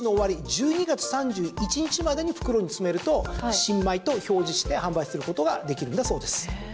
１２月３１日までに袋に詰めると新米と表示して販売することができるんだそうです。